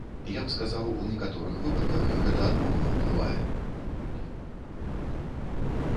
Я б сказаў, у некаторых выпадках гэта адмоўна ўплывае.